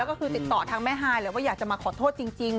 ก็คือติดต่อทางแม่ฮายเลยว่าอยากจะมาขอโทษจริง